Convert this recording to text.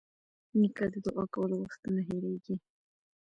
نیکه د دعا کولو وخت نه هېرېږي.